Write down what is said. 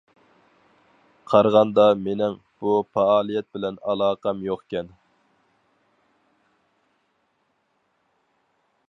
قارىغاندا مېنىڭ بۇ پائالىيەت بىلەن ئالاقەم يوقكەن.